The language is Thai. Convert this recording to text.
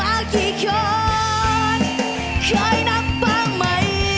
อัฟฟ้า